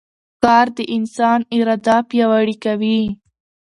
کار د انسان اراده پیاوړې کوي